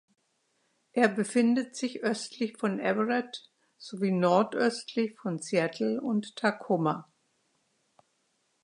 Er befindet sich östlich von Everett sowie nordöstlich von Seattle und Tacoma.